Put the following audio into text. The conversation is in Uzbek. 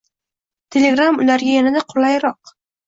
Telegram ularga yanada qulayroq